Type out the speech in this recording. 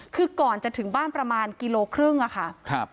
คือก่อนจะถึงบ้านประมาณกิโลครึ่งอะค่ะ